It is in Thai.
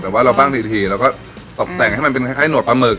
แต่ว่าเราบ้างดีทีเราก็ตกแต่งให้มันเป็นคล้ายหนวดปลาหมึ